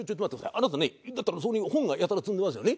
あなたねだったらそこに本がやたら積んでますよね。